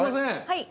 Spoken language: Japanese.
はい。